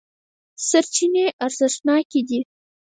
سرچینې ارزښتناکې دي.